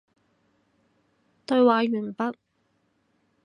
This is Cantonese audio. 對話完畢